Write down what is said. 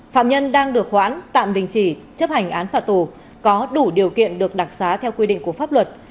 phạm nhân đang được hoãn tạm đình chỉ chấp hành án phạt tù có đủ điều kiện được đặc xá theo quy định của pháp luật